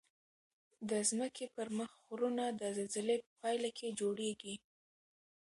د ځمکې پر مخ غرونه د زلزلې په پایله کې جوړیږي.